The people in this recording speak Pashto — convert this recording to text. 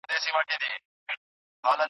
تر لحده پوري یووړ مزدورانو